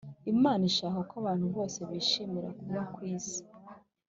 Imana ishaka ko abantu bose bishimira kuba ku isi